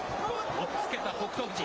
おっつけた、北勝富士。